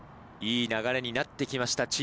いい流れになって来ました